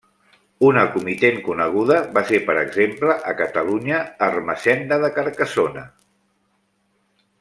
Una comitent coneguda va ser, per exemple, a Catalunya, Ermessenda de Carcassona.